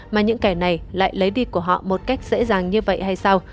mà những kẻ này lại lấy đi của họ một cách dễ dàng như vậy hay sau